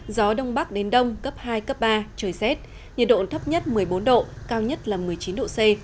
gió đông bắc đến đông cấp hai cấp ba trời xét nhiệt độ thấp nhất một mươi bốn độ cao nhất là một mươi chín độ c